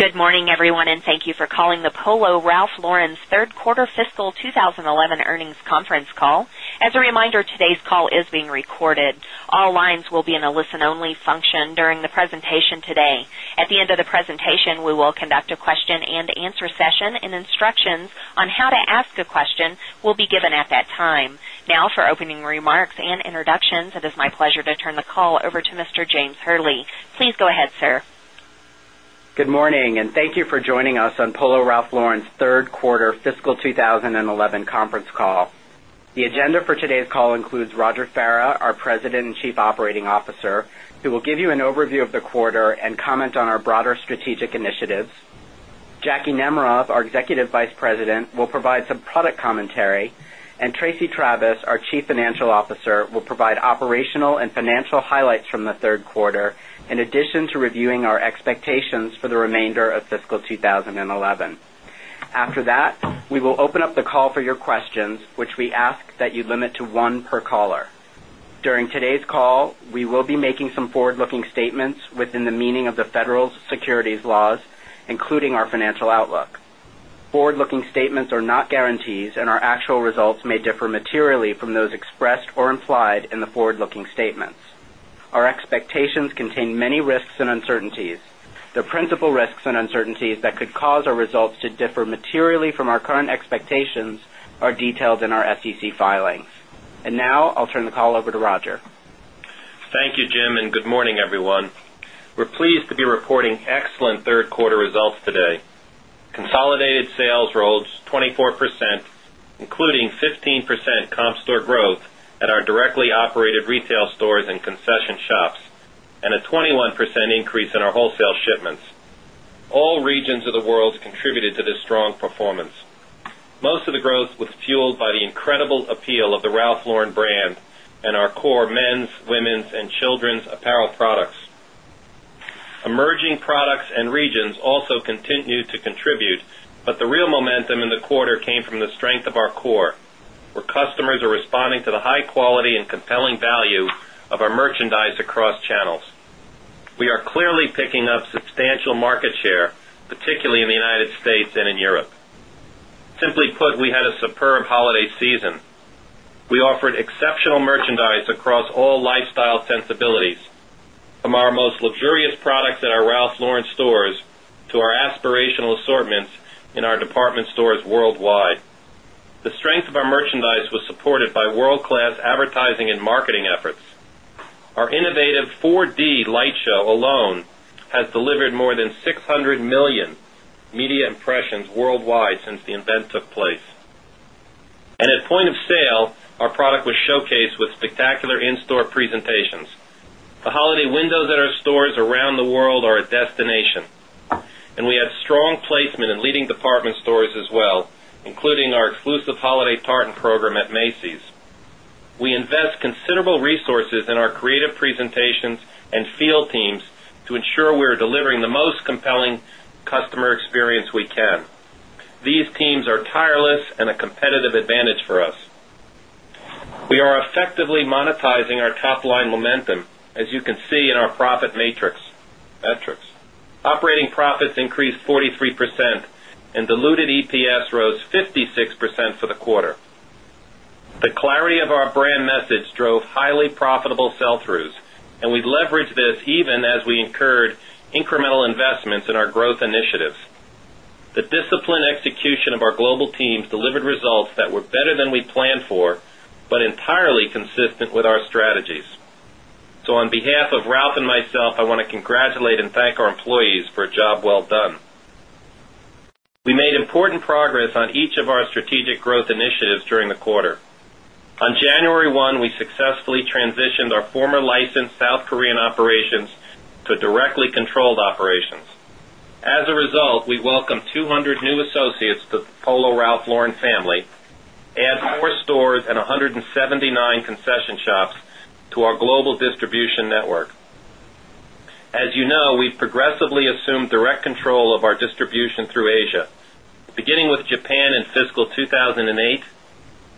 Good morning, everyone, and thank you for calling the Polo Ralph Lauren's Third Quarter Fiscal 2011 Earnings Conference Call. As a reminder, today's call is being recorded. All lines will be in a listen only function during the presentation today. At the end of the presentation, we will conduct a question and answer session and instructions on how to ask a question will be given at that time. Now for opening remarks and introductions, it is my pleasure to turn the call over to Mr. James Hurley. Please go ahead, sir. Good morning and thank you for joining us on Polo Ralph Lauren's Q3 fiscal 2011 conference call. The agenda for today's call includes Roger Farah, our President and Chief Operating Officer, who will give you an overview of the quarter and comment on our broader strategic initiatives Jackie Nemerov, our Executive Vice President, will provide some product commentary and Tracy Travis, our Chief Financial Officer, will provide operational and financial highlights from the Q3 in addition to reviewing our expectations for the remainder of fiscal 2011. After that, we will open up the call for your questions, which we ask that you limit to 1 per caller. During today's call, we will be making some forward looking statements within the meaning of the federal securities laws, including our financial outlook. Forward looking statements are not guarantees and our actual results may differ materially from those expressed or implied in the forward looking statements. Our expectations contain many risks and uncertainties. The principal risks and uncertainties that could cause our results to differ materially from our current expectations are detailed in our SEC filings. And now, I'll turn the call over to Roger. Thank you, Jim, and good morning, everyone. We're pleased to be reporting excellent third quarter results today. Consolidated sales rose 24%, including 15% comp store growth at our directly operated retail stores and concession shops and a 21% increase in our wholesale shipments. All regions of the world contributed to this strong performance. Most of the growth was fueled by the incredible appeal of the Ralph Lauren brand and our core men's, women's and children's apparel products. Emerging products and regions also continued to contribute, but the real momentum in the quarter came from the strength of our core, where customers are responding to the high quality and compelling value of our merchandise across channels. We are clearly picking up substantial market share, particularly in the United States and in Europe. Simply put, we had a superb holiday season. We offered exceptional merchandise across all lifestyle sensibilities from our most luxurious products at our Ralph Lauren stores to our aspirational assortments in our department stores worldwide. The strength of our merchandise was supported world class advertising and marketing efforts. Our innovative 4 d light show alone has delivered more than 600,000,000 media impressions worldwide since the event took place. And at point of sale, our product was showcased with spectacular in store presentations. The holiday windows at our stores around the world are a destination. And we had strong placement in leading department stores as well, including our exclusive holiday tartan program at Macy's. We invest considerable resources in our creative presentations and field teams to ensure we are delivering the most compelling customer experience we can. These teams are tireless and a competitive advantage for us. We are effectively monetizing our top line momentum as you can see in our profit metrics. Operating profits increased 43% and diluted EPS rose 56% for the quarter. The clarity of our brand message drove highly profitable sell throughs and we leverage this even as we incurred incremental investments in our growth initiatives. The disciplined execution of our global teams delivered results that were better than we planned for, but entirely consistent with our strategies. So on behalf of Ralph and myself, I want to congratulate and thank our employees for a job well done. We made important progress on each of our strategic growth initiatives during the quarter. On January 1, we successfully transitioned our former licensed South Korean operations to directly controlled operations. As a result, we welcome 200 new associates to Polo Ralph Lauren family, add 4 stores and 179 concession shops to our global distribution network. As you know, we progressively assume direct control of our distribution through Asia, beginning with Japan in fiscal 2,008,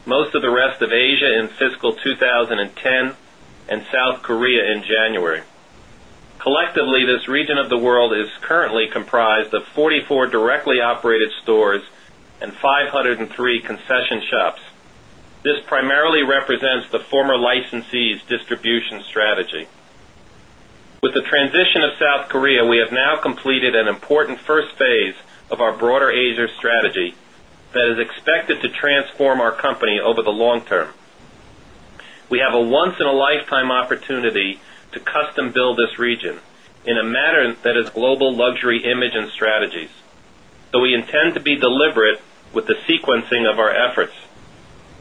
most of the rest of Asia in fiscal 2010 and South Korea in January. Collectively, this region of the world is currently comprised of 44 directly operated stores and 503 concession shops. This primarily represents the former licensees distribution strategy. With the transition of South Korea, we have now completed an important first phase of our broader Asia strategy that is expected to transform our company over the long term. We have a once in a lifetime opportunity to custom build this region in a manner that is global luxury image and strategies. So we intend to be deliberate with the sequencing of our efforts.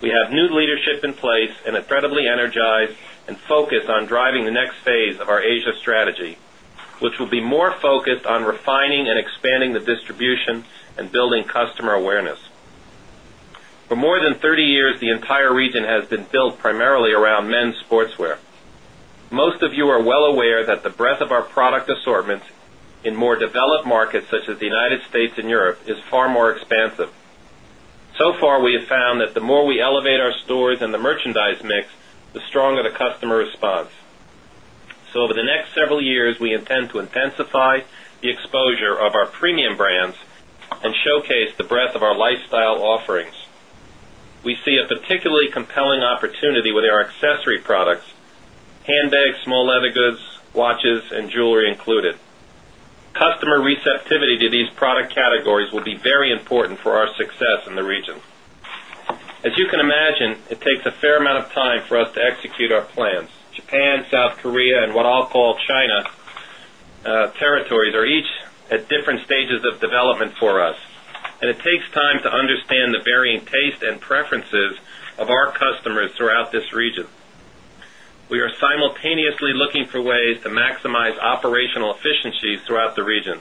We have new leadership in place and incredibly energized and focused on driving the next phase of our Asia strategy, which will be more focused on refining and expanding the distribution and building customer awareness. For more than 30 years, the entire region has been built primarily around men's sportswear. Most of you are well aware that the breadth of our product assortments in more developed markets such as the United States and Europe is far more expansive. So far, we have found that the more we elevate our stores and the merchandise mix, the stronger the customer response. So over the next several years, we intend to intensify the exposure of our premium brands and showcase the breadth our lifestyle offerings. We see a particularly compelling opportunity with our accessory products, handbags, small leather goods, watches and jewelry included. Customer receptivity to these product categories will be very important for our success in the region. As you can imagine, it takes a fair amount of time for us to execute our plans. Japan, South Korea and what I'll call China territories are each at different stages of development for us. And it takes time to understand the varying taste and preferences of our customers throughout this region. We are simultaneously looking for ways to maximize operational efficiencies throughout the region.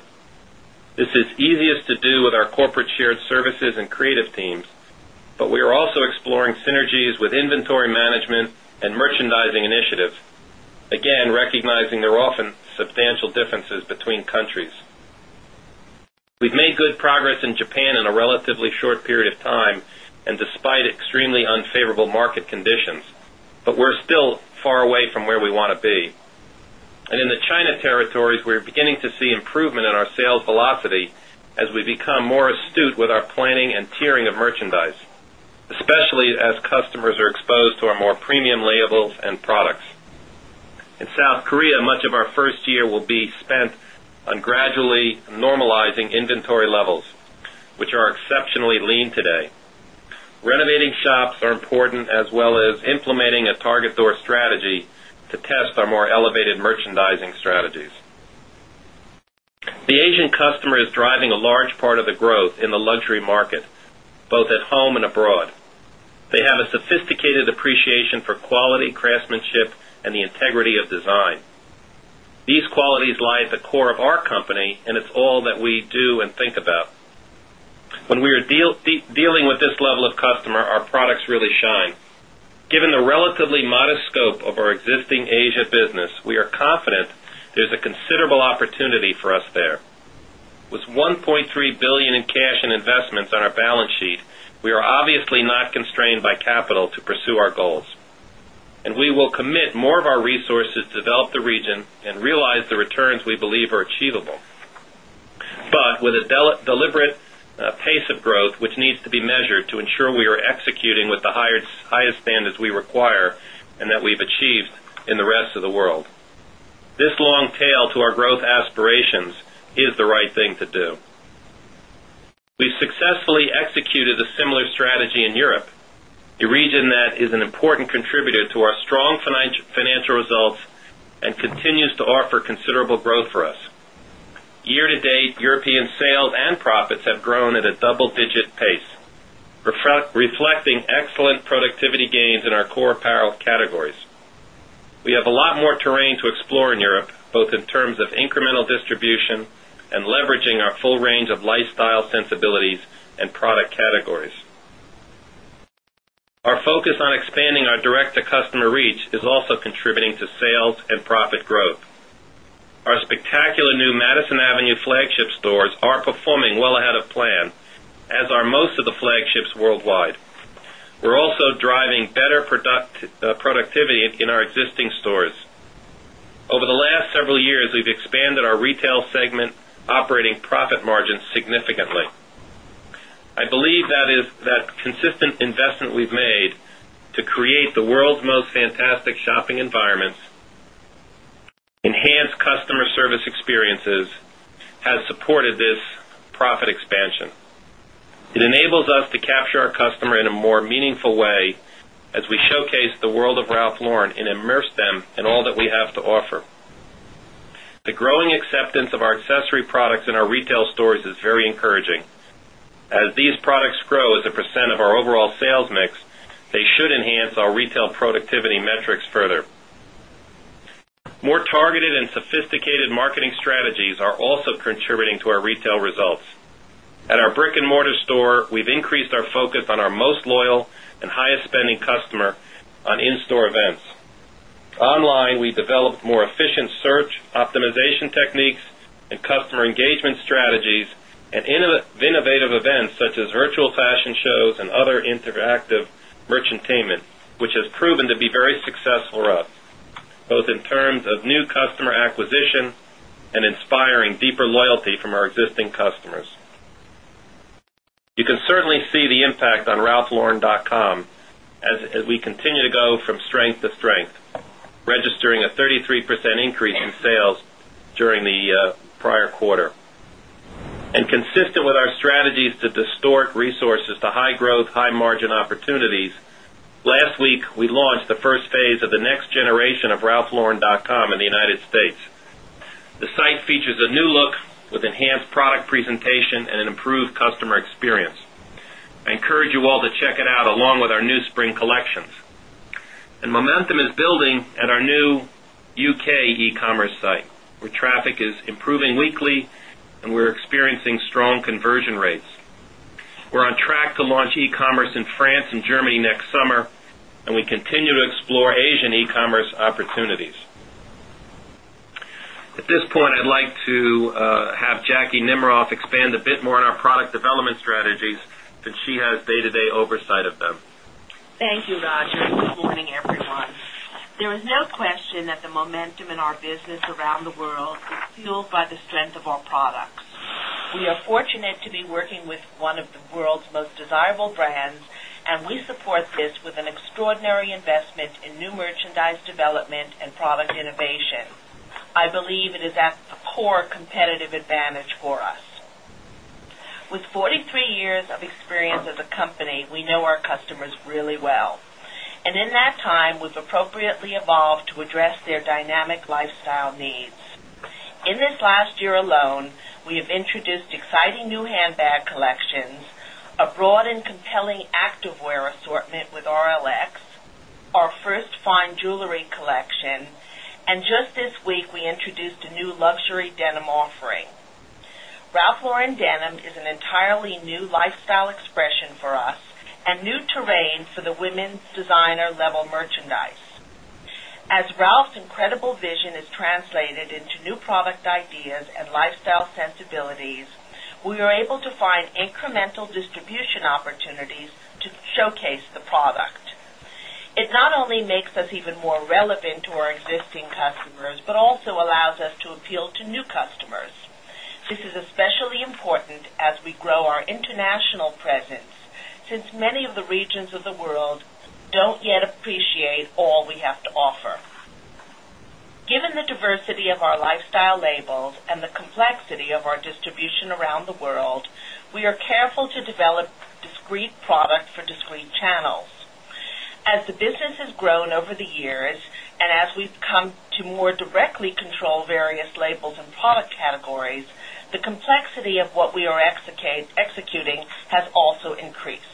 This is easiest to do with our corporate shared services and creative teams, but we are also exploring synergies with inventory management and merchandising initiatives, again recognizing there are often substantial differences between countries. We've made good progress in Japan in a relatively short period of time and despite extremely unfavorable market conditions, but we're still far away from where we want to be. And in the China territories, we're beginning to see improvement in our sales velocity as we become more astute with our planning and tiering of merchandise, especially as customers are exposed to our more premium labels and products. In South Korea, much of our 1st year will be spent on gradually normalizing inventory levels, which are exceptionally lean today. Renovating shops are important as well as implementing a target door strategy to test our more elevated merchandising strategies. The Asian customer is driving a large part of the growth in the luxury market, both at home and abroad. They have a sophisticated appreciation for quality, craftsmanship and the integrity of design. These qualities lie at the core of our company and it's all that we do and think about. When we are dealing with this level of customer, our products really shine. Given the relatively modest scope of our existing Asia business, we are confident there is a considerable opportunity for us there. With $1,300,000,000 in cash and investments on our balance sheet, we are obviously not constrained by capital to pursue our goals. And we will commit more of our resources to develop the region and realize the returns we believe are achievable. But with a deliberate pace of growth, which needs to be measured to ensure we are executing with the highest standards we require and that we've achieved in the rest of the world. This long tail to our growth aspirations is the right thing to do. We successfully executed a similar strategy in Europe, a region that is an important contributor to our strong financial results and continues to offer considerable growth for us. Year to date, European sales and profits have grown at a double digit pace, reflecting excellent productivity gains in our core apparel categories. We have a lot more terrain to explore in Europe, both in terms of incremental distribution and leveraging our full range of lifestyle sensibilities and product categories. Our focus on expanding our direct to customer reach is also contributing to sales and profit growth. Our spectacular new Madison Avenue flagship stores are performing well ahead of plan as are most of the flagships worldwide. We're also driving better productivity in our existing stores. Over the last several years, we've expanded our retail segment operating profit margin significantly. I believe that is that consistent investment we've made to create the world's most fantastic shopping environments, enhance customer service experiences has supported this profit expansion. It enables us to capture our customer in a more meaningful way as we showcase the world of Ralph Lauren and immerse them in all that we have to offer. The growing acceptance of our accessory products in our retail stores is very encouraging. As these products grow as a percent of our overall sales mix, they should enhance our retail productivity metrics further. More targeted and sophisticated marketing strategies are also contributing to our retail results. At our brick and mortar store, we've increased our focus on our most loyal and highest spending customer on in store events. Online, we developed more efficient search optimization techniques and customer engagement strategies and innovative events such as virtual fashion shows and other interactive entertainment, which has proven to be very successful for us, both in terms of new customer acquisition and inspiring deeper loyalty from our existing customers. You can certainly see the impact on ralphlauren.com as we continue to go from strength to strength, registering a 33% increase in sales during the prior quarter. And consistent with our strategies to distort resources to high growth, high margin opportunities, last week we launched the first phase of the next generation of ralphlauren.com in the United States. The site features a new look with enhanced product presentation and an improved customer experience. I encourage you all to check it out along with our new spring collections. And momentum is building at our new U. K. E commerce site, where traffic is improving weekly and we're experiencing strong conversion rates. We're on track to launch e commerce in France and Germany next summer and we continue to explore Asian e commerce opportunities. At this point, I'd like to have Jackie more in our product development strategies since she has day to day oversight of them. Thank you, Roger. Good morning, everyone. There is no question that the momentum in our business around the world is fueled by the strength of our products. We are fortunate to be working with 1 of the world's most desirable brands and we support this with an extraordinary investment in new merchandise development and product innovation. I believe it is at the core competitive advantage for us. With 43 years of experience as a company, we know our customers really well. And in that time, we've appropriately evolved to address their dynamic lifestyle needs. In this last year alone, we have introduced exciting new handbag collections, a broad and compelling activewear assortment with RLX, our first fine jewelry collection and just this week, we introduced a new luxury denim offering. Ralph Lauren Denim is an entirely new lifestyle expression for us and new terrain for the women's designer level merchandise. As Ralph's incredible vision is translated into new product ideas and life sensibilities, we are able to find incremental distribution opportunities to showcase the product. It not only makes us even more relevant to our existing customers, but also allows us to appeal to new customers. This is especially important as we grow our international presence since many of the regions of the world don't yet appreciate all we have to offer. Given the diversity of our lifestyle labels and the complexity of our distribution around the world, we are careful to develop discrete products for discrete channels. As the business has grown over the years and as we've come to more directly control various labels and product categories, the complexity of what we are executing has also increased.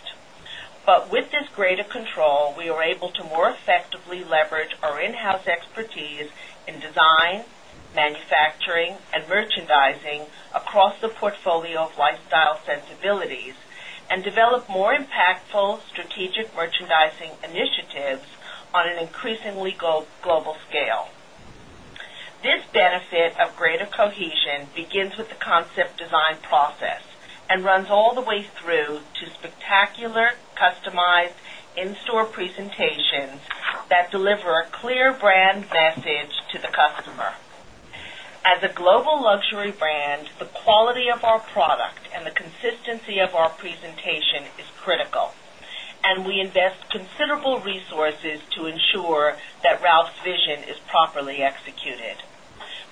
But with this greater control, we are able to more effectively leverage our expertise in design, manufacturing and merchandising across the portfolio of lifestyle sensibilities and develop more impactful strategic merchandising initiatives on an increasingly global scale. This benefit of greater cohesion begins with the concept design process and runs all the way through to spectacular customized in store presentations that deliver a clear brand message to the customer. As a global luxury brand, the quality of our product and the consistency of our presentation is critical. And we invest channels.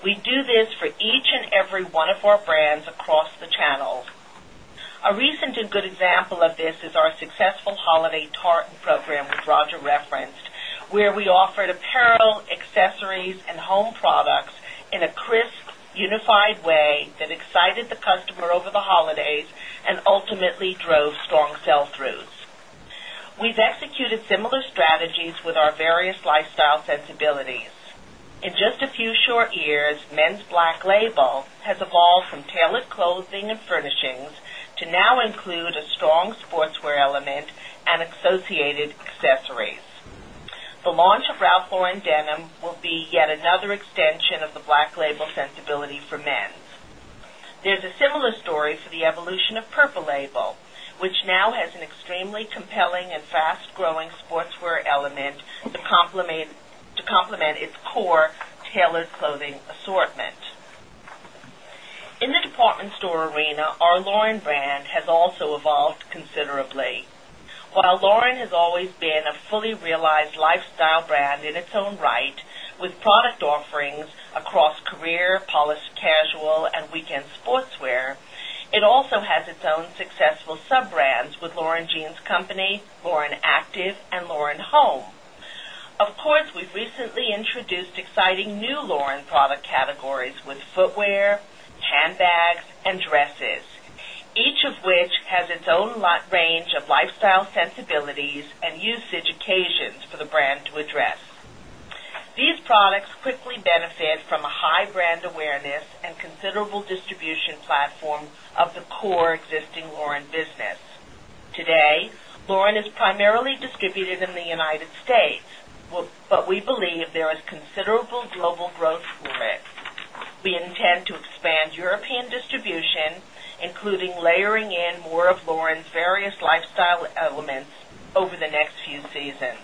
A recent and good example of this is our successful holiday tartan program, which Roger referenced, where we offered apparel, accessories and home products in a crisp, unified way that excited the customer over the holidays and ultimately drove strong sell throughs. We've executed similar strategies with our various lifestyle sensibilities. In just a few short years, men's Black Label has evolved from tailored clothing and furnishings to now include a strong sportswear element and associated accessories. The launch of Ralph Lauren Denim will be yet another extension of the Black Label sensibility for men's. There's a similar story for the evolution of Purple Label, which now has an extremely compelling and fast growing sportswear element to complement its core tailored clothing assortment. In the department store arena, our Lauren brand has also evolved considerably. While Lauren has always been a fully realized lifestyle brand in its own right with product offerings across career, polished casual and weekend sportswear, It also has its own successful sub brands with Lauren Jeans Company, Lauren Active and Lauren Home. Of course, we've recently introduced exciting new Lauren product categories with footwear, handbags and dresses, each of which has its own range of lifestyle sensibilities and usage occasions for the brand to address. These products quickly benefit from a high brand awareness and considerable distribution platform of the core existing Lauren business. Today, Lauren is primarily distributed in the United States, but we believe there is considerable global growth for it. We intend to expand European distribution, including layering in more of Lauren's various lifestyle elements over the next few seasons.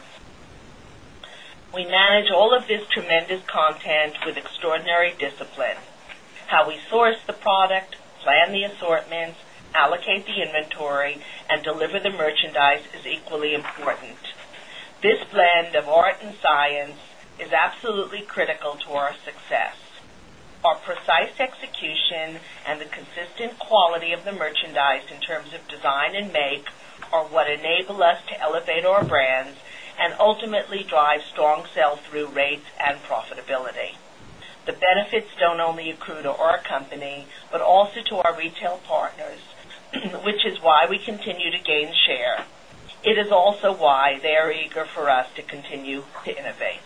We manage all of this tremendous content with extraordinary discipline. How we source the product, plan the assortments, allocate the inventory and deliver the merchandise is equally important. This blend of art and science is absolutely critical to our success. Our precise execution and the consistent quality of the merchandise in terms of design and make are what enable us to elevate our brands and ultimately drive strong sell through rates and profitability. The benefits don't only accrue to our company, but also to our retail partners, which is why we continue to gain share. It is also why they are eager for us to continue to innovate.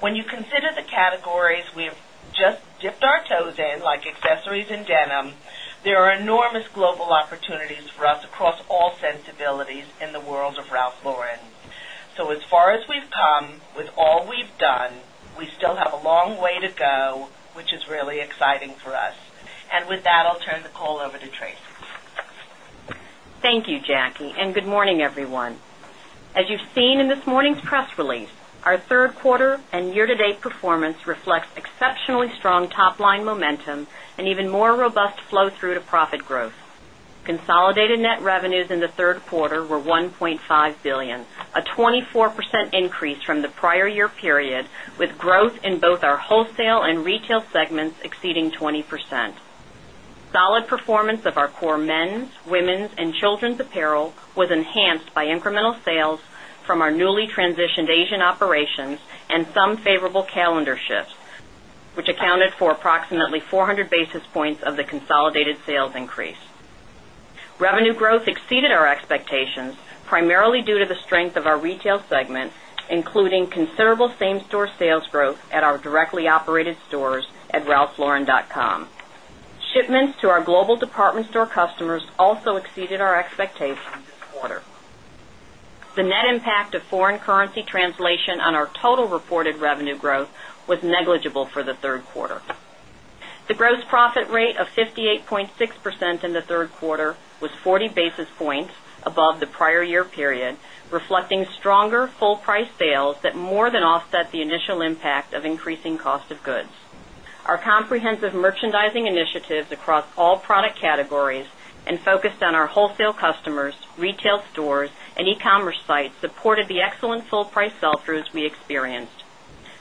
When you consider the categories we've just dipped our toes in like accessories and denim, there are enormous global opportunities for us across all sensibilities in the world of Ralph Lauren. So as far as we've come with all we've done, we still have a long way to go, which is really exciting for us. And with that, I'll turn the call over to Tracy. Thank you, Jackie, and good morning, everyone. As you've seen in this morning's press release, our Q3 year to date performance reflects exceptionally strong top line momentum and even more robust flow through to profit growth. Consolidated net revenues in the Q3 were 1.5 billion, a 24% increase from the prior year period with growth in both our wholesale and retail segments exceeding 20%. Solid performance of our core men's, women's and children's apparel was enhanced by incremental sales from our newly transitioned Asian operations and some favorable calendar shifts, which accounted for approximately 400 basis points of the consolidated sales increase. Revenue growth exceeded our expectations, primarily due to the strength of our retail segment, including considerable same store sales growth at our directly operated stores at ralphlauren.com. Shipments to our global department store customers also exceeded our expectations this quarter. The net impact of foreign currency translation on our total reported revenue growth was negligible for the 3rd quarter. The gross profit rate of 58.6% in the 3rd quarter was 40 basis points above the prior year period, reflecting stronger full price sales that more than offset the initial impact of increasing cost of goods. Our comprehensive merchandising initiatives across all product categories and focused on our wholesale customers, retail stores and e commerce sites supported the excellent full price sell throughs we experienced.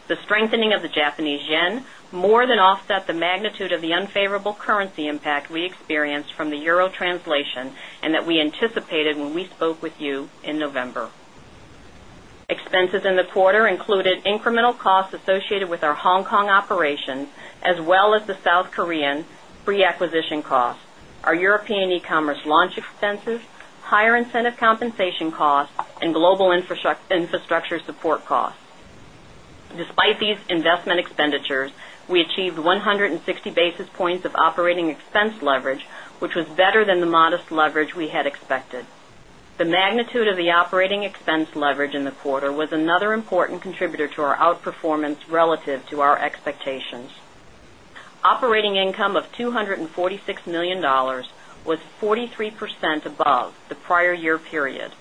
The strengthening of the Japanese yen more than offset the magnitude of the unfavorable currency impact we experienced from the euro translation and that we anticipated when we spoke with you in November. Expenses in the quarter included incremental costs associated with our Hong Kong operations as well as the South Korean pre acquisition costs, our European e commerce launch expenses, higher incentive compensation costs and global infrastructure support costs. Despite these investment expenditures, we achieved 160 basis points of operating expense leverage, which was better than the modest leverage we had expected. The magnitude of the operating expense leverage in the quarter was another important contributor to our outperformance relative to our expectations. Operating income of $246,000,000 was 43% above the prior year period.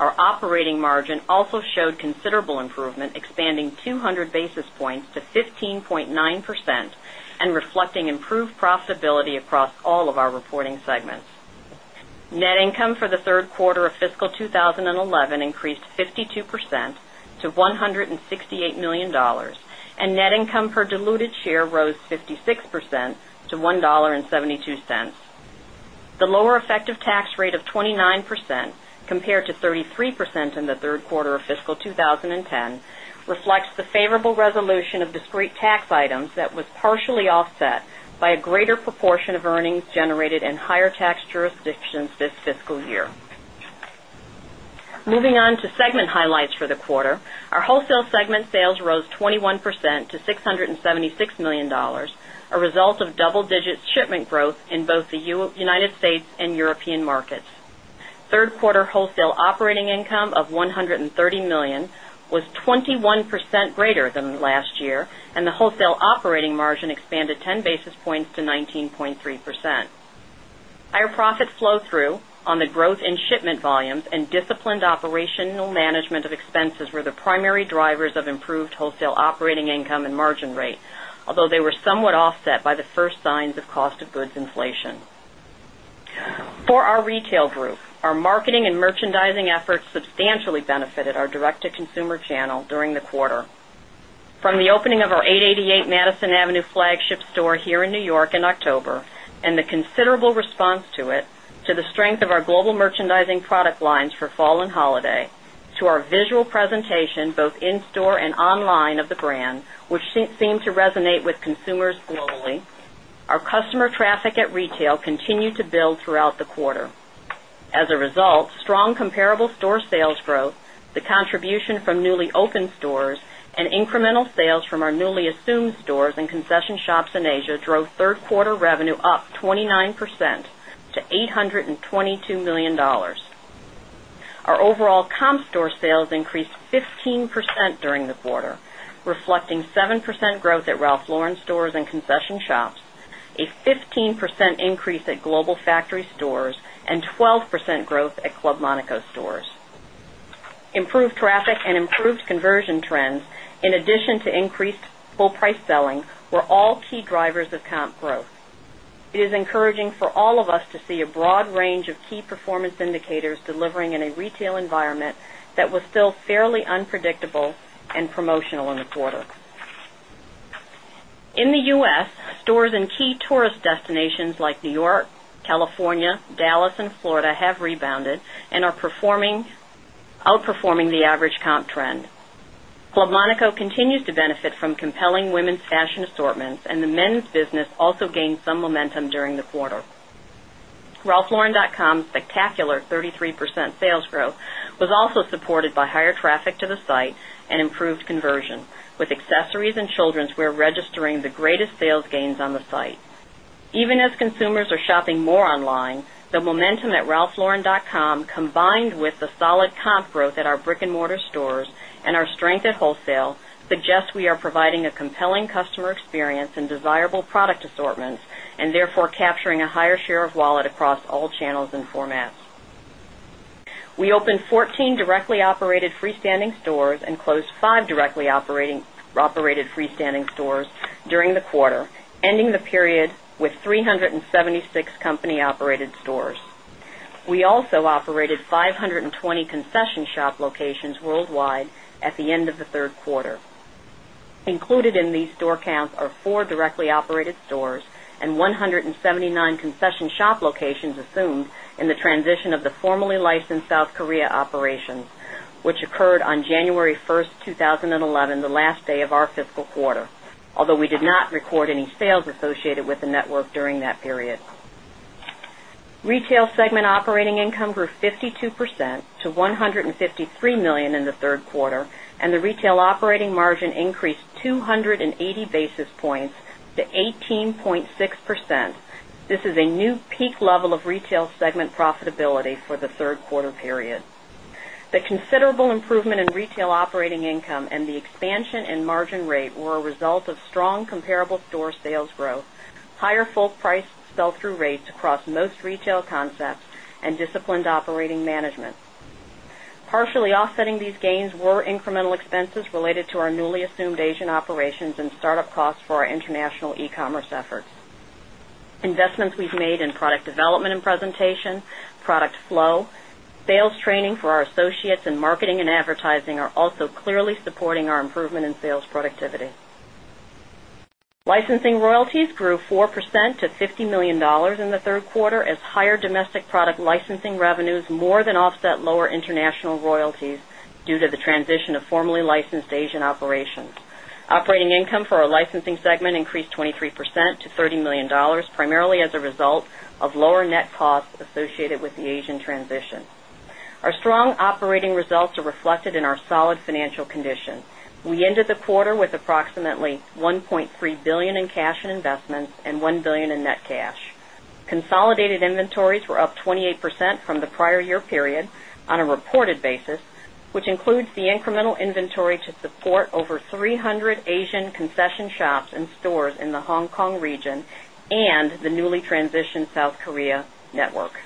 Our operating margin also showed considerable improvement, expanding 200 basis points to 15.9% and reflecting improved profitability across all of our reporting segments. Net income for the 3rd quarter of fiscal 2011 increased 52 percent to $168,000,000 and net income per diluted share rose 56% to $1.72 The lower effective tax rate of 29% compared to 33% in the Q3 of fiscal 2010 reflects the favorable resolution of discrete tax items that was partially offset by a greater proportion of earnings generated in higher tax jurisdictions this fiscal year. Moving on to segment highlights for the quarter. Our wholesale segment sales rose 21% to $676,000,000 a result of double digit shipment growth in both the United States European markets. 3rd quarter wholesale operating income of $130,000,000 was 21% greater than last year and the wholesale operating margin expanded 10 basis points to 19.3%. Higher profit flow through on the growth in shipment volumes and disciplined operational management of expenses were the primary drivers of improved wholesale operating income and margin rate, although they were somewhat offset by the first signs of cost of goods inflation. For our retail group, our marketing and merchandising efforts substantially benefited our direct to consumer channel during the quarter. From the opening of our 888 Madison Avenue flagship store here in New York in October and the considerable response to it, to the strength of our global merchandising product lines for fall and holiday, to our visual presentation both in store and online of the brand, which seemed to resonate with consumers globally, our customer traffic at retail continued to build throughout the quarter. As a result, strong comparable store sales growth, the contribution from newly opened stores and incremental sales from our newly assumed stores and concession shops in Asia drove 3rd quarter revenue up 29 percent to $822,000,000 Our overall comp store sales increased 15% during the quarter, reflecting 7% growth at Ralph Lauren stores and concession shops, a 15% increase at Global Factory stores and 12% growth at Club Monaco stores. Improved traffic and improved conversion trends in addition to increased full price selling were all key drivers of comp growth. It is encouraging for all of us to see a broad range of key performance indicators delivering in a retail environment that was still fairly unpredictable and promotional in the quarter. In the U. S, stores in key tourist destinations like New York, California, Dallas and Florida have rebounded and are performing outperforming the average comp trend. Club Monaco continues to benefit from compelling women's fashion assortments and the men's business also gained some momentum during the quarter. Ralphlauren.com's spectacular 33% sales was also supported by higher traffic to the site and improved conversion with accessories and children's wear registering the greatest sales gains on the site. Even as consumers are shopping more online, the momentum at ralphlauren.com with the solid comp growth at our brick and mortar stores and our strength at wholesale suggest we are providing a compelling customer experience and desirable product assortments and therefore capturing a higher share of wallet across all channels and formats. We opened 14 directly operated freestanding stores and closed 5 directly operated freestanding stores during the quarter, ending the period with 3 76 company operated stores. We also operated 520 concession shop locations worldwide at the end of the Q3. Included in these store counts are 4 directly operated stores and 179 concession shop locations assumed in the transition of the formally licensed South Korea operations, which occurred on January 1, 2011, the last day of our fiscal quarter, although we did not record any sales associated with the network during that period. Retail segment operating income grew 52 percent to CAD153 1,000,000 in the 3rd quarter and the retail operating margin increased 2 80 basis points to 18.6%. This is a new peak level of retail segment profitability for the Q3 period. The considerable improvement in retail operating income and the expansion in margin rate were a result of strong comparable store sales growth, higher full price sell through rates across most retail concepts and disciplined operating management. Partially offsetting these gains were incremental expenses related to our newly assumed Asian operations and start up costs for our international e commerce efforts. Investments we've made in product development and presentation, product flow, sales training for our associates and marketing and advertising are also clearly supporting our improvement in sales productivity. Licensing royalties grew 4% to $50,000,000 in the 3rd quarter as higher domestic product licensing revenues more than offset lower international royalties due to the transition of formally licensed Asian operations. Operating income for our licensing segment increased 23% to $30,000,000 primarily as a result of lower net costs associated with the Asian transition. Our strong operating results are reflected in our solid financial condition. We ended the quarter with approximately $1,300,000,000 in cash and investments and $1,000,000,000 in net cash. Consolidated inventories were up 28% from the prior year period on a reported basis, which includes the incremental inventory to support over 300 Asian concession shops and stores in the Hong Kong region and the newly transitioned South Korea network.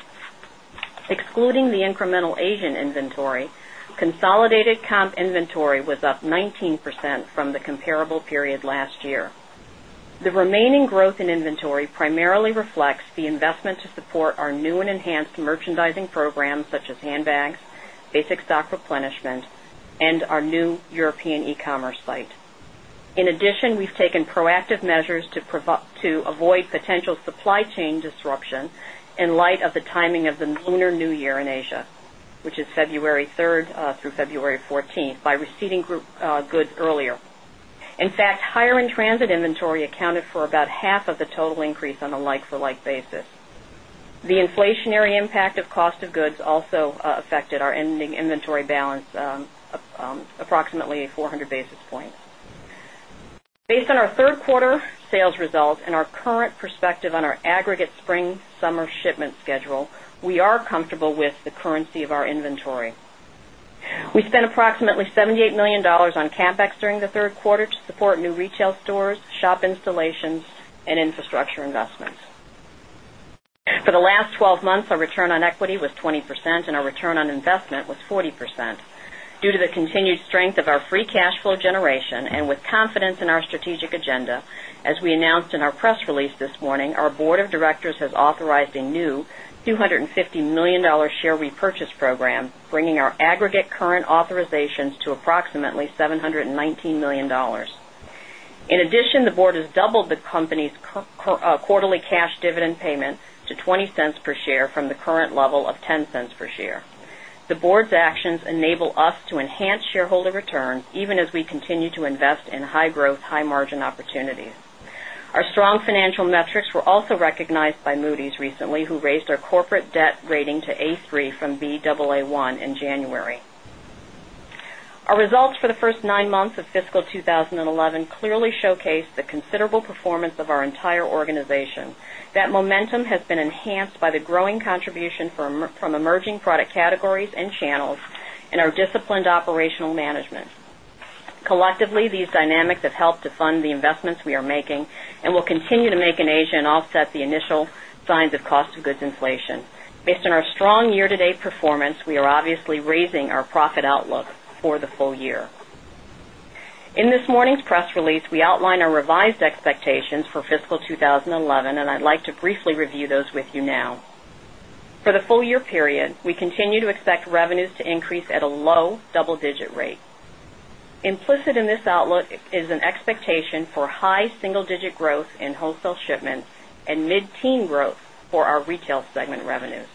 Excluding the incremental Asian inventory, consolidated comp inventory was up 19% from the comparable period last year. The remaining growth in inventory primarily reflects the investment to support our new and enhanced merchandising programs such as handbags, basic stock replenishment and our new European e commerce site. In addition, we've taken proactive measures to avoid potential supply chain disruption in light of the timing of the Lunar New Year in Asia, which is February 3 through February 14 by receding group goods earlier. In fact, higher in transit inventory accounted for about half of the total increase on a like for like basis. The inflationary impact of cost of goods also affected our ending inventory balance approximately 400 basis points. Based on our Q3 sales results and our current perspective on our aggregate springsummer shipment schedule, we are comfortable with the currency of our inventory. We spent approximately $78,000,000 on CapEx during the Q3 to support new retail stores, shop installations and infrastructure investments. For the last 12 months, our return on equity was 20% and our return on investment was 40%. Due to the continued strength of our free cash flow generation and with confidence in our strategic agenda, as we announced in our press release this morning, our Board of Directors has authorized a new $250,000,000 share repurchase program, bringing our aggregate current authorizations to approximately $719,000,000 In addition, the Board has doubled the company's quarterly cash dividend payment to $0.20 per share from the current level of $0.10 per share. The Board's actions enable us to enhance shareholder return even as we continue to invest in high growth, high margin opportunities. Our strong financial metrics were also recognized by Moody's recently, who raised our corporate debt rating to A3 from Baa1 in January. Our results for the 1st 9 months of fiscal 2011 clearly showcased the considerable performance of our entire organization. That momentum has been enhanced by the growing contribution from emerging product categories and channels and our disciplined operational management. Collectively, these dynamics have helped to fund the investments we are making and will continue to make in Asia and offset the initial signs of cost of goods inflation. Based on our strong year to date performance, we are obviously raising our profit outlook for the full year. In this morning's press release, we outlined our revised expectations for fiscal 2011, and I'd like to briefly review those with you now. For the full year period, we continue to expect revenues to increase at a low double digit rate. Implicit in this outlook is an expectation for high single digit growth in wholesale shipments and mid teen growth for our retail segment revenues.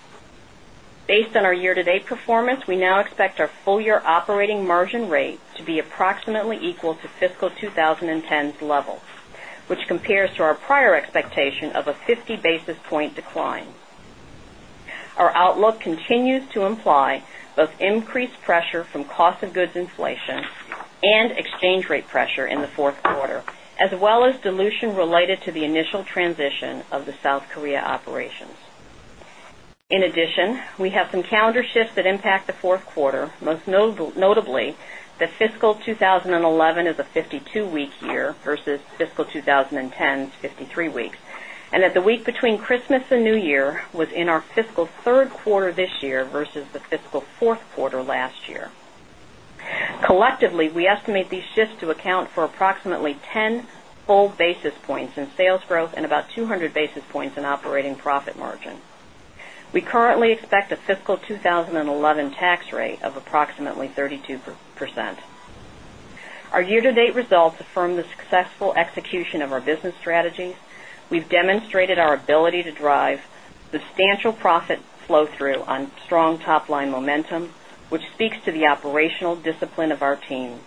Based on our year to date performance, we now expect our full year operating margin rate to be approximately equal to fiscal 20 ten's level, which compares to our prior expectation of a 50 basis point decline. Our outlook continues to imply both increased pressure from cost of goods inflation and exchange rate pressure in the Q4 as well as dilution related to the initial transition of the South Korea operations. In addition, we have some calendar shifts that impact the 4th quarter, most notably the fiscal 2011 is a 52 week year versus fiscal 20 10's 53 weeks and that the week between Christmas and New Year was in our fiscal Q3 this year versus the fiscal Q4 last year. Collectively, we estimate these shifts to account for approximately 10 full basis points in sales growth and about 200 basis points in operating profit margin. We currently expect a fiscal 2011 tax rate of approximately 32 percent. Our year to date results affirm the successful execution of our business strategy. We've demonstrated our ability to drive substantial profit flow through on strong top line momentum, which speaks to the operational discipline of our team.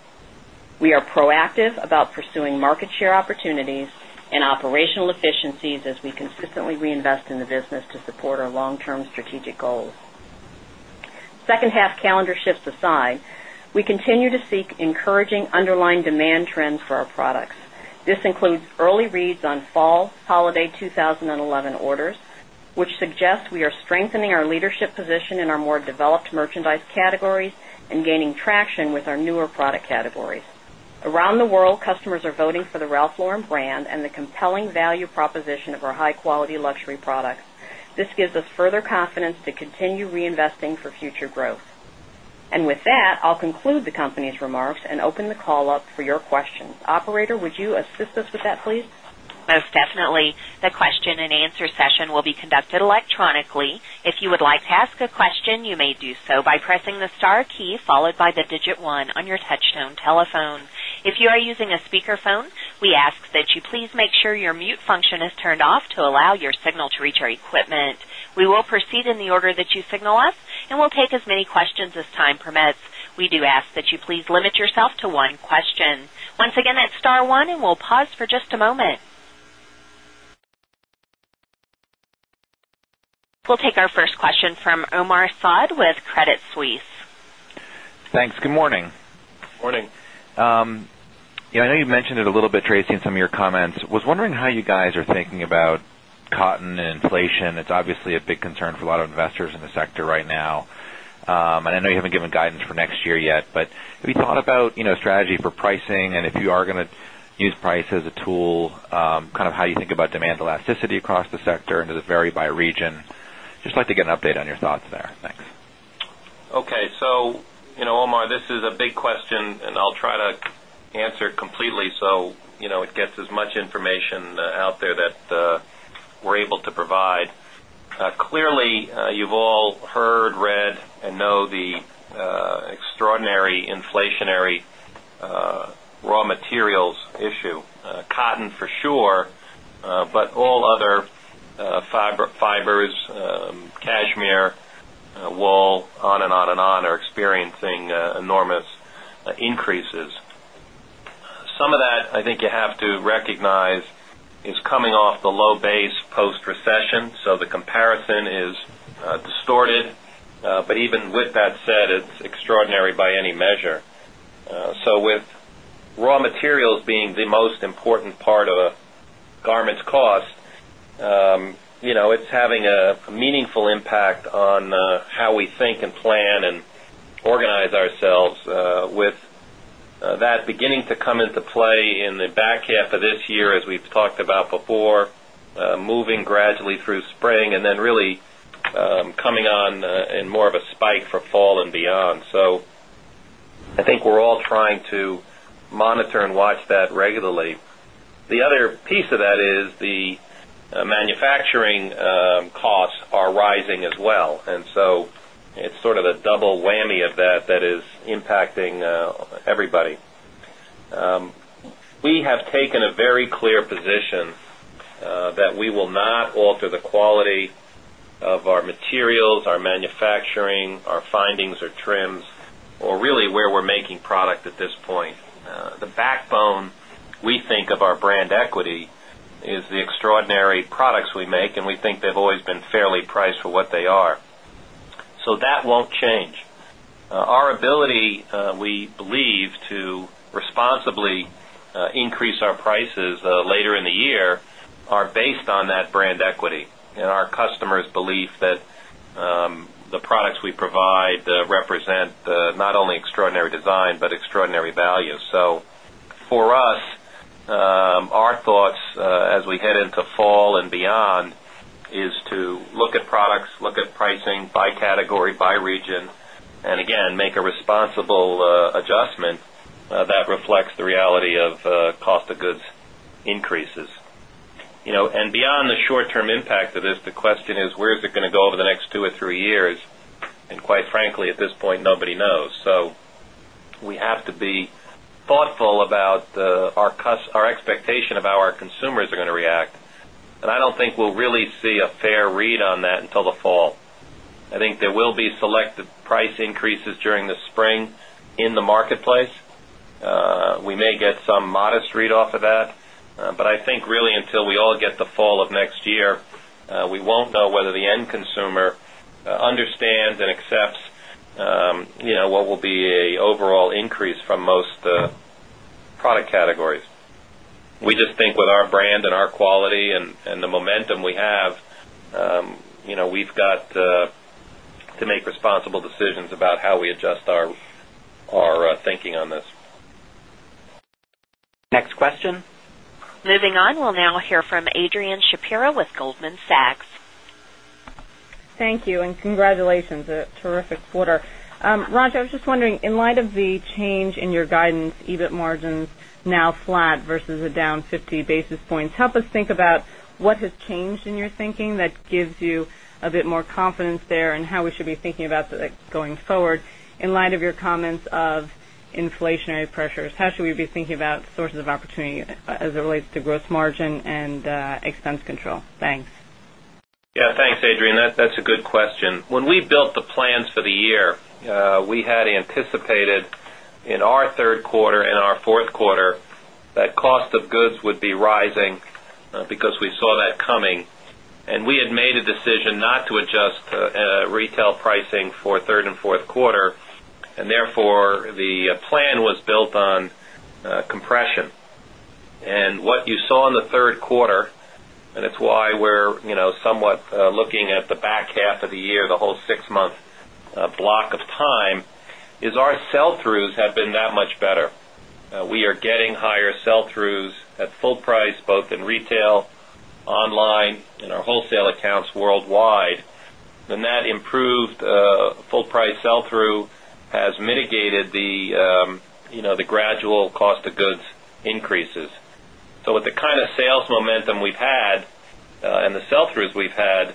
We are proactive about pursuing market share opportunities and operational efficiencies as we consistently reinvest in the business to support our long term strategic goals. 2nd half calendar shifts aside, we continue to seek encouraging underlying demand trends for our products. This includes early reads on fall holiday 2011 orders, which suggests we are strengthening our leadership position in our more developed merchandise categories and gaining traction with our newer product categories. Around the world, customers are voting for the Ralph Lauren brand and the compelling value proposition of our high quality luxury products. This gives us further confidence to continue reinvesting for future growth. And with that, I'll conclude the company's remarks and open the call up for your questions. Operator, would you assist us with that, please? Most definitely. The question and answer will be conducted electronically. We'll take our first question from Omar Saad with Credit Suisse. Thanks. Good morning. Good morning. I know you mentioned it a little bit, Tracy, in some of your comments. I was wondering how you guys are thinking about cotton and inflation. It's obviously a big concern for a lot of investors in the sector right now. And I know you haven't given guidance for next year yet, but have you thought about strategy for pricing? And if you are going to use price as a tool, kind of how you think about elasticity across the sector and does it vary by region? Just like to get an update on your thoughts there. Thanks. Okay. So Omar, this is a big question and I'll try to answer it completely so it gets as much information out there that we're able to provide. Clearly, you've all heard, read and know the extraordinary inflationary raw materials issue, cotton for sure, but all other fibers, cashmere, wool, on and on and on are experiencing enormous increases. Some of that, I think you have to recognize, is coming off the low base post recession. So the comparison is distorted. But even with that said, it's extraordinary by any measure. So with raw materials being the most important part of a garments cost, it's having a meaningful impact on how we think and plan and organize ourselves with that beginning to come into play in the back half of this year as we've talked about before, moving gradually through spring and then really coming on in more of a spike for fall and beyond. So I think we're all trying to monitor and watch that regularly. The other piece of that is the manufacturing costs are rising as well. And so it's sort of a double whammy of that, that is impacting everybody. We have taken a very clear position that we will not alter the quality of our materials, our manufacturing, our findings or trims or really where we're making product at this point. The responsibly increase our prices later in the year, responsibly increase our prices later in the year are based on that brand equity and our customers' belief that the products we provide represent not only extraordinary design, but extraordinary value. So for us, our thoughts as we head into fall and beyond is to look at products, look at pricing by category, by region and again make a responsible adjustment that reflects the reality of cost of goods increases. And beyond the short term impact of this, the question is where is it going to go over the next 2 or 3 years. And quite frankly, at this point, nobody knows. So we have to be thoughtful about our expectation of how our consumers are going to react. And I don't think we'll really see a fair read on that until the fall. I think there will be selective price increases during the spring in the marketplace. We may get some modest read off of that. But I think really until we all get the fall of next year, we won't know whether the end consumer understands and accepts what will be overall increase from most product categories. We just think with our brand and our quality and the momentum we have, we've got to make responsible decisions about how we adjust our thinking on this. Next question? Moving on, we'll now hear from Adrienne Shapiro with Goldman Sachs. Thank you and congratulations. A terrific quarter. Raj, I was just wondering in light of the change in your guidance EBIT margins now flat versus a down 50 basis points. Help us think about what has changed in your thinking that gives you a bit more confidence there and how we should be thinking about going forward? In light of your comments of inflationary pressures, how should we be thinking about sources of opportunity as it relates to gross margin and expense control? Thanks. Yes. Thanks, Adrienne. That's a good question. When we built the plans for the year, we had anticipated in our Q3 and our Q4 that cost of goods would be rising because we saw that coming. And we had made a decision not to adjust retail pricing for 3rd Q4. And therefore, the plan was built on compression. And what you saw in the Q3 and it's why we're somewhat looking at the back half of the year, the whole 6 month block of time is our sell throughs have been that much better. We are getting higher sell throughs at full price, both in retail, online and our wholesale accounts worldwide. And that improved full price sell through has mitigated the gradual cost of goods increases. So with the kind of sales momentum we've had and the sell throughs we've had,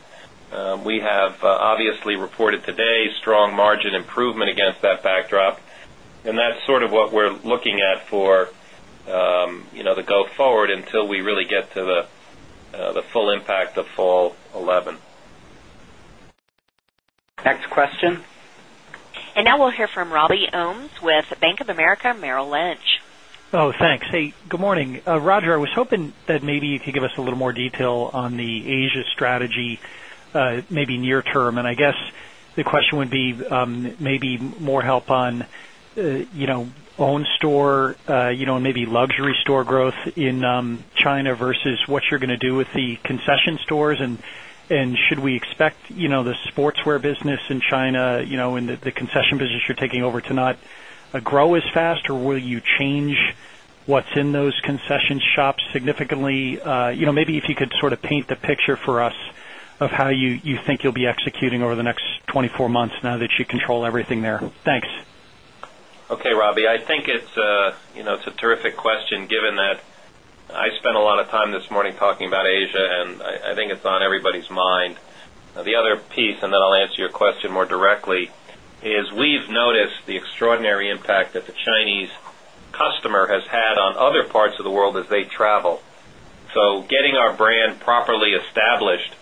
we have obviously reported today strong margin improvement against that backdrop. And that's sort of what we're looking at for the go forward until we really get to the full impact of fall 2011. Next question? And now we'll hear from Robbie Ohmes with Bank of America Merrill Lynch. Roger, I was hoping that maybe you could give us a little more detail on the Asia strategy, maybe near term. And I guess the question would be, maybe more help on own store, maybe luxury store growth in China versus what you're going to do with the concession stores? And should we expect the sportswear business in China and the concession business you're taking over to grow as fast or will you change what's in those concession shops significantly? Maybe if you could sort of paint the picture for us of how you think you'll be executing over the next 24 months now that you control everything there? Thanks. Okay, Robbie. I think it's a terrific question given that I spent a lot of time this morning talking about Asia and I think it's on everybody's mind. The other piece and then I'll answer your question more directly is we've noticed the extraordinary impact that the Chinese customer has had on other parts of the world as they travel. So getting our brand properly established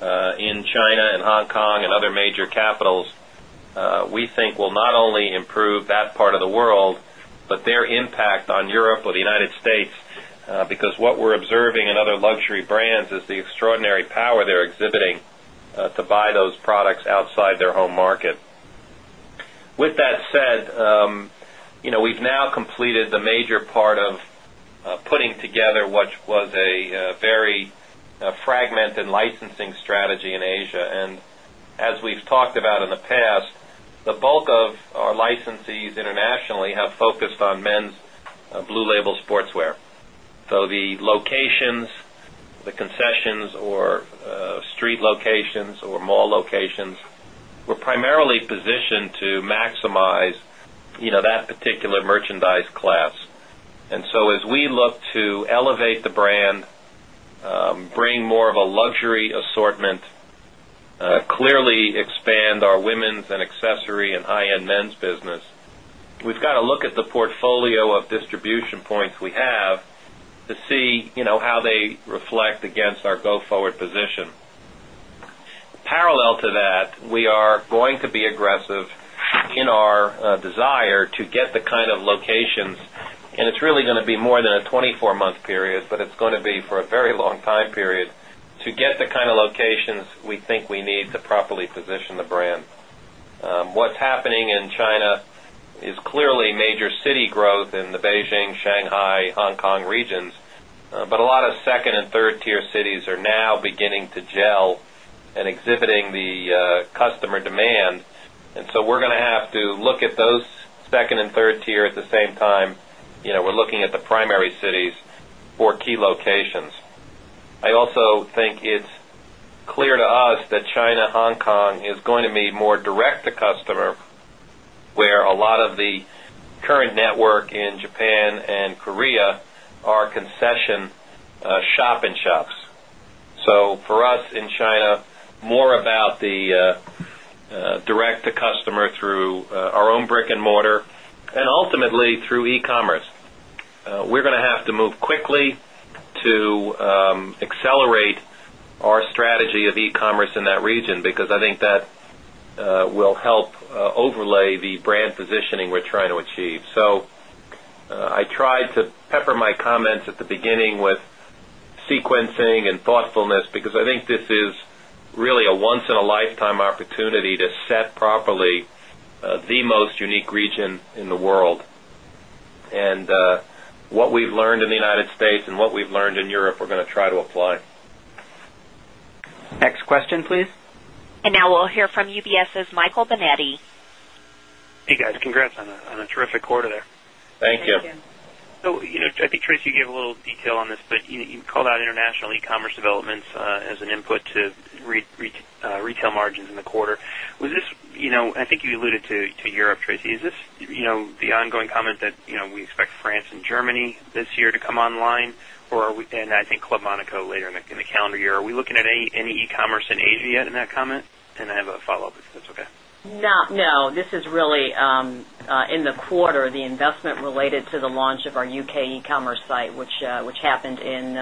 in China and Hong Kong and other major capitals, we think will not only improve that part of the world, but their impact on Europe or the United States, because what we're observing in other luxury brands is the extraordinary power they're exhibiting to buy those products outside their home market. With that said, we've now completed the major part of putting together what was a very fragmented licensing strategy in Asia. And as we've talked about in the past, the bulk of our licensees internationally have focused on men's Blue Label sportswear. So the locations, the concessions or street locations or mall locations, we're primarily positioned to maximize that particular merchandise class. And so as we look to elevate the brand, bring more of a luxury assortment, clearly expand our women's and accessory and high end men's business. We've got to look at the portfolio of distribution points we have to see how they reflect against our go forward position. Parallel to that, we are going to be aggressive in our desire to get the kind of locations and it's really going to be more than a 24 month period, but it's going to be for a very long time period to get the kind of locations we think we need to properly position the brand. What's happening in China is clearly major city growth in the Beijing, Shanghai, Hong Kong regions, but a lot of second and third tier cities are now beginning to gel and exhibiting the customer demand. And so we're going to have to look at those second and third tier at the same time. We're looking at the primary cities for key locations. I also think it's clear to us that China, Hong Kong is going to be more direct to customer, where a lot of the current network in Japan and Korea are concession shop in shops. So for us in China, more about the direct to customer through our own brick and mortar and ultimately through e commerce. We're going to have to move quickly to accelerate our strategy of e commerce in that region because I think that will help overlay the brand positioning we're trying to achieve. So I tried to pepper my comments at the beginning with sequencing and thoughtfulness, because I think this is really a once in a lifetime opportunity to set properly the most unique region in the world. And what we've learned in the United States and what we've learned in Europe, we're going to try to apply. Next question, please. And now we'll hear from UBS's Michael Binetti. Hey, guys. Congrats on a terrific quarter there. Thank you. So I think Tracy gave a little detail on this, but you called out international e commerce developments as an input to retail margins in the quarter. Was this I think you alluded to Europe, Tracy. Is this the ongoing comment that we expect France and Germany this year to come online? Or are we and I think Club Monaco later in the calendar year. Are we looking at any e commerce in Asia in that comment? And I have a follow-up, if that's okay. No. This is really, in the quarter, the investment related to the launch of our U. K. E commerce site, which happened in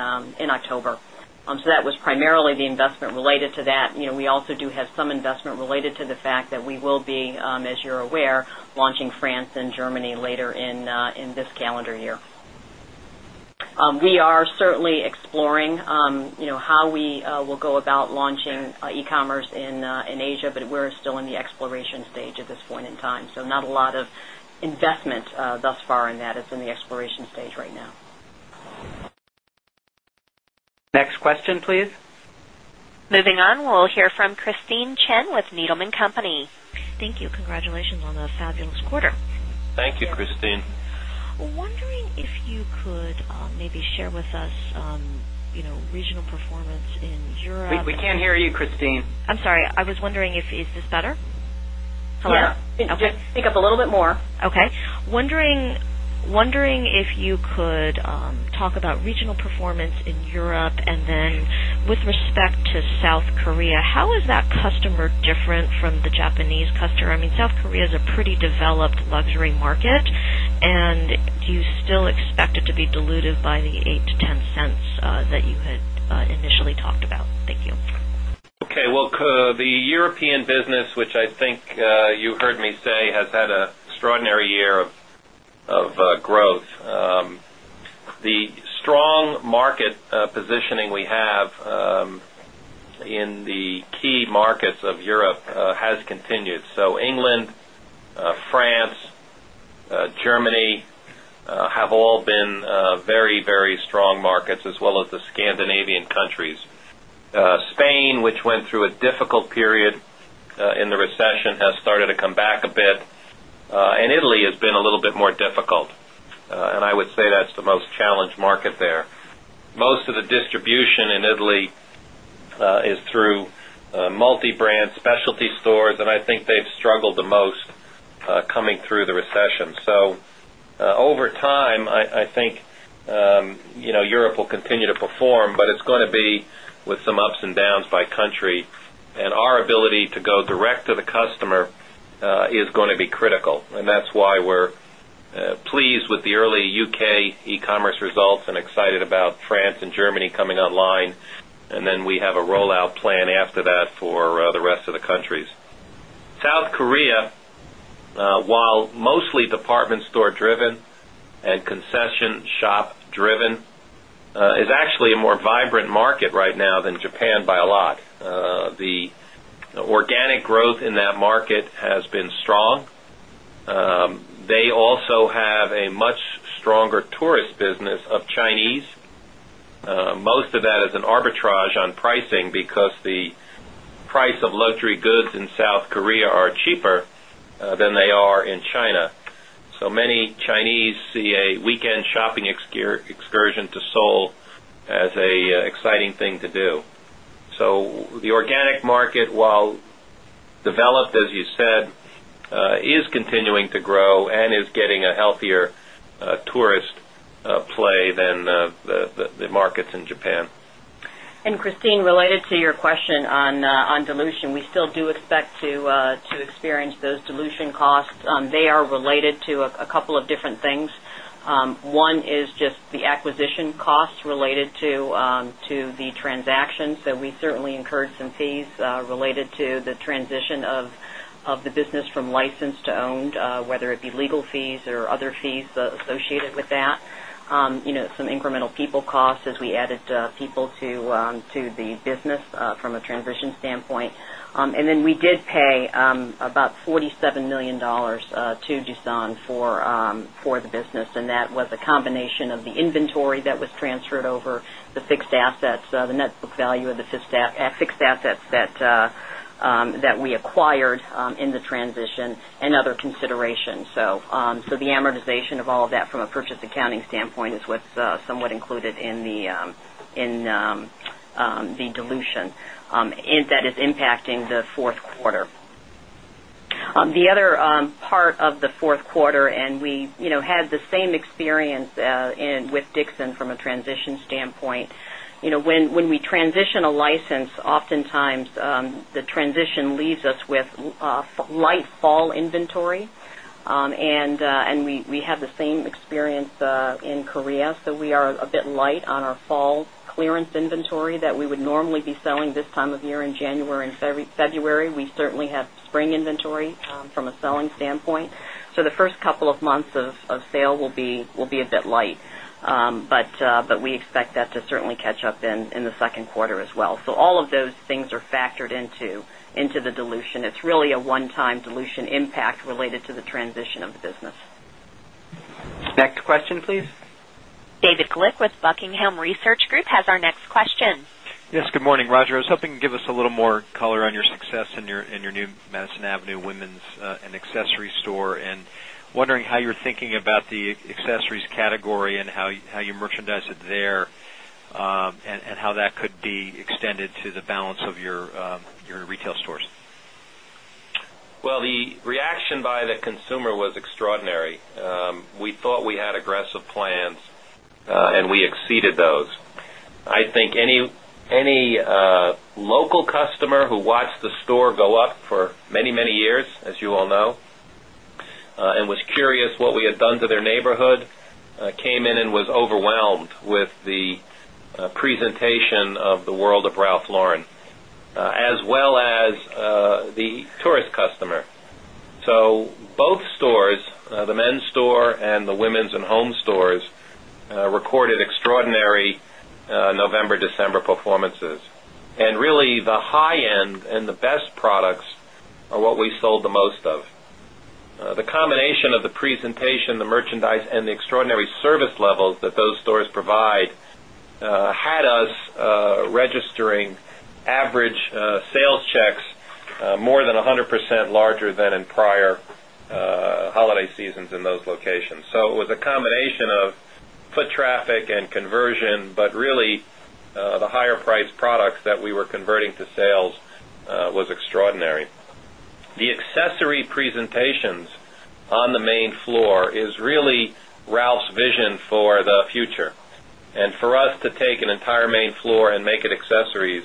October. So that was primarily the investment related to that. We also do have some investment related to the fact that we will be, as you're aware, launching France and Germany later in this calendar year. We are certainly exploring how we will go about launching e commerce in Asia, but we're still in the exploration stage at this point in time. So not a lot of investment thus far in that. It's in the exploration stage right now. Next question, please. Moving on, we'll hear from Christine Chen with Needham and Company. Thank you. Congratulations on the fabulous quarter. Thank you, Christine. Wondering if you could maybe share with us regional performance in Europe. We can't hear you, Christine. I'm sorry. I was wondering if is this better? Yes. Pick up a little bit more. Okay. Wondering if you could talk about regional performance in Europe. And then with respect to South Korea, how is that customer different from the Japanese customer? I mean South Korea is a pretty developed luxury market. And do you still expect it to be dilutive by the $0.08 to $0.10 that you had initially talked about? Thank you. Okay. Well, the European business, which I think you heard me say, has had an extraordinary year of growth. The strong market positioning we have in the key markets of Europe has continued. So England, France, Germany have all been very, very strong markets as well as the Scandinavian countries. Spain, which went through a difficult period in the recession has started to come back a bit and Italy has been a little bit more difficult. And I would say that's the most challenged market there. Most of the distribution in Italy is through multi brand specialty stores, and I think they've struggled the most coming through the recession. So over time, I think Europe will continue to perform, but it's going to be with some ups and downs by country. And our ability to go direct to the customer is going to be critical. And that's why we're pleased with the early UK e commerce results and excited about France and Germany coming online. And then we have a rollout plan after that for the rest of the countries. South Korea, while mostly department store driven and concession shop driven, is actually a more vibrant market right now than Japan by a lot. The organic growth in that market has been strong. They also have a much stronger tourist business of Chinese. Most of that is an arbitrage on pricing because the price of luxury goods in South Korea are cheaper than they are in China. So many Chinese see a weekend shopping excursion to Seoul as an exciting thing to do. So the organic market, while developed, as you said, is continuing to grow and is getting a healthier tourist play than the markets in Japan. And Christine, related to your question on dilution, we still do expect to experience those dilution costs. They are related to a couple of different things. One is just the acquisition costs related to the transaction. So we certainly incurred some fees related to the transition of the business from licensed to owned, whether it be legal fees or other fees associated with that, some incremental people costs as we added people to the business from a transition standpoint. And then we did pay about $47,000,000 to DuSang for the business, and that was a combination of the inventory that was transferred over the fixed assets, the net book value of the fixed assets that we acquired in the transition and other considerations. So the amortization of all of that from a purchase accounting standpoint is what's somewhat included in the dilution that is impacting the 4th quarter. The other part of the Q4 and we had the same experience with Dixon from a transition standpoint. When we transition a license, oftentimes, the transition leaves us with light fall inventory. And we have the same experience in Korea. So we are a bit light on our fall clearance inventory that we would normally be selling this time of year in January and February. We certainly have spring inventory from a selling standpoint. So the 1st couple of months of sale will be a bit light, but we expect that to certainly catch up in the Q2 as well. So all of those things factored into the dilution. It's really a one time dilution impact related to the transition of the business. Next question, please. David Glick with Buckingham Research Group has our next question. Yes, good morning, Roger. I was hoping you could give us a little more color on your success in your new Madison Avenue women's and accessory store. And wondering how you're thinking about the accessories category and how you merchandise it there and how that could be extended to the balance of your retail stores? Well, the reaction by the consumer was extraordinary. We thought we had aggressive plans and we exceeded those. I think any local customer who watched the store go up for many, many years, as you all know, and was curious what we had done to their neighborhood, stores recorded store and the women's and home stores recorded extraordinary November December performances. And really the high end and the best products are what we sold the most of. The combination of the presentation, the merchandise and the extraordinary service levels that those stores provide had us registering average sales checks more than 100% larger than in prior holiday seasons in those locations. So it was a combination of foot traffic and conversion, but really the higher priced products that we were converting to sales was extraordinary. The accessory presentations on the main floor is really Ralph's vision for the future. And for us to take an entire main floor and make it accessories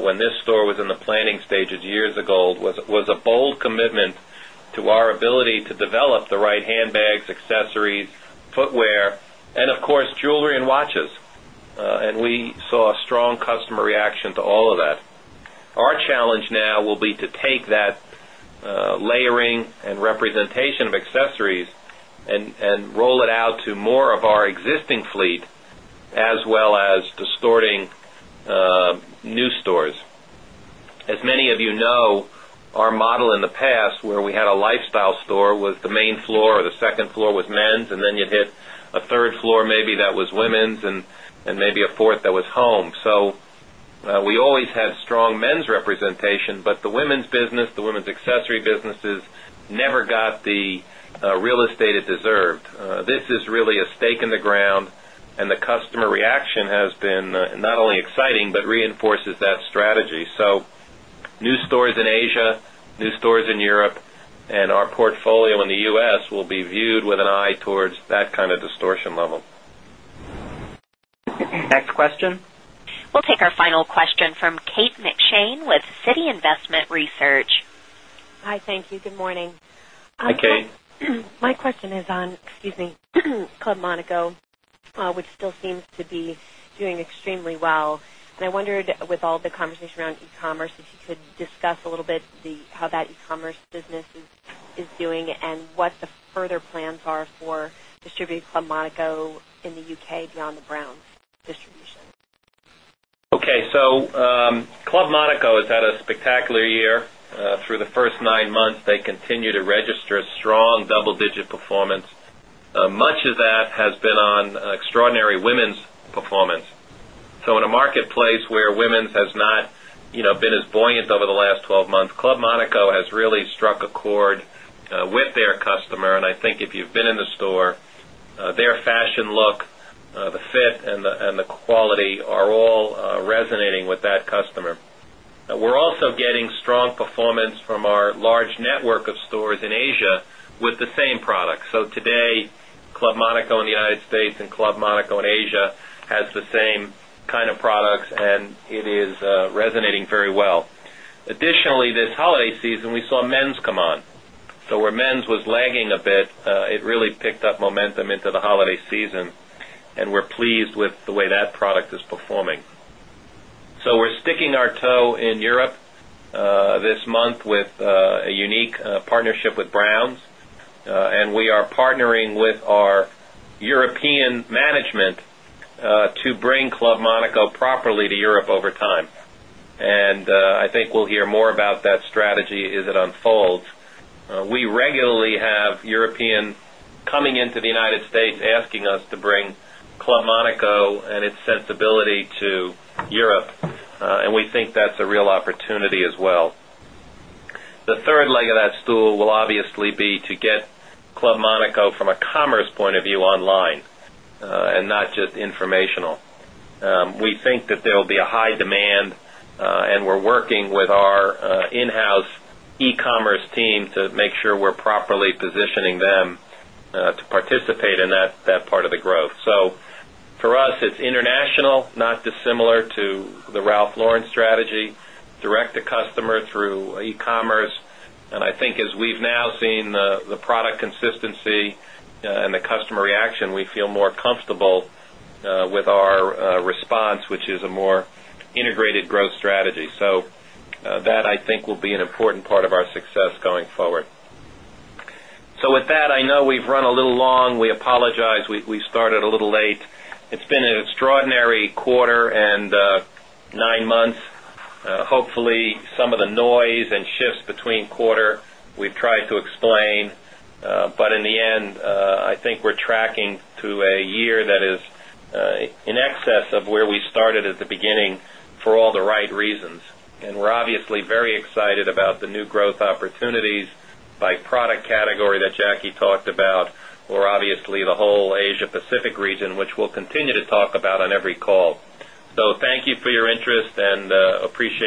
when store was in the planning stages years ago was a bold commitment to our ability to develop the right handbags, accessories, footwear and of course jewelry and watches. And we saw a strong customer reaction to all of that. Our challenge now will be to take that layering and representation of accessories and roll it out to more of our existing fleet as well as distorting new stores. As many of you know, our model in the past where we had a lifestyle store was the main floor, the second floor was men's and then you'd hit a third floor maybe that was women's and maybe a 4th that was home. So we always had strong men's representation, but the women's business, the women's accessory businesses never got the real estate it deserved. This is really a stake in the ground and the customer reaction has been not only exciting, but reinforces that strategy. So new stores in Asia, new stores in Europe and our portfolio in the U. S. Will be viewed with an eye towards that kind of distortion level. Next question? We'll take our final question from Kate McShane with Citi Investment Research. Hi, thank you. Good morning. Hi, Kate. My question is on, excuse me, Club Monaco, which still seems to be doing extremely well. And I wondered with all the conversation around e commerce, if you could discuss a little bit the how that e commerce business is doing and what the further plans are for Distributor Club Monaco in the UK beyond the Brown distribution? Okay. So Club Monaco has had a spectacular year. Through the 1st 9 months, they continue to register strong double digit performance. Much of that has been on extraordinary women's performance. So in a marketplace where women's has not been as buoyant over the last 12 months, Club Monaco has really struck a chord with their customer. And I think if you've been in the store, their fashion look, the fit and the quality are all resonating with that customer. We're also getting strong performance from our large network of stores in Asia with the same product. So today, Club Monaco in the United States and Club Monaco in Asia has the same kind of products and it is resonating very well. Additionally, this holiday season, we saw men's come on. So where men's was lagging a bit, it really picked up momentum into the holiday season, and we're pleased with the way that product is performing. So we're sticking our toe in Europe this month with unfolds. We regularly have European coming into the United States asking us to bring Club Monaco and its sensibility to Europe, and we think that's a real opportunity as well. The 3rd leg of that stool will obviously be to get Club Monaco from a commerce point of view online and not just informational. We think that there will be a high demand and we're working with our in house e commerce team to make sure we're properly positioning them to participate in that part of the growth. So for us, it's international, not dissimilar to Ralph Lauren strategy, direct to customer through e commerce. And I think as we've now seen the product consistency and the customer reaction, we feel more comfortable with our response, which is a more integrated growth strategy. So that I think will be an important part of our success going forward. So with that, I know we've run a little long. We apologize. We started a little late. It's been an extraordinary quarter and 9 months. Hopefully, some of the noise and shifts between quarter, we've tried to explain. But in the end, I think we're tracking to a year that is in excess of where we started at the beginning for all the right reasons. And we're obviously very excited about the new growth opportunities by product category that Jackie talked about or obviously the whole Asia Pacific region, which we'll continue to talk about on every call. So thank you for your interest and appreciate